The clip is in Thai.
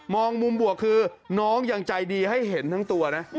องมุมบวกคือน้องยังใจดีให้เห็นทั้งตัวนะ